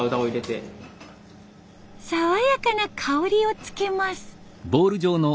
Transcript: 爽やかな香りを付けます。